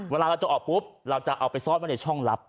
เวลาเราจะออกปุ๊บเราจะเอาไปซ่อนไว้ในช่องลับ